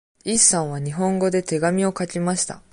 イさんは日本語で手紙を書きました。